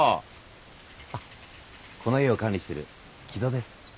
あっこの家を管理してる木戸です。